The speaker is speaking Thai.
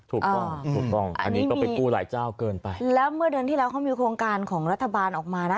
ถูกต้องถูกต้องอันนี้ก็ไปกู้หลายเจ้าเกินไปแล้วเมื่อเดือนที่แล้วเขามีโครงการของรัฐบาลออกมานะ